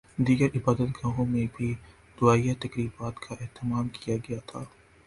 دیگر عبادت گاہوں میں بھی دعائیہ تقریبات کا اہتمام کیا گیا تھا